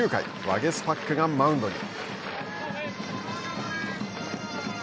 ワゲスパックがマウンドに。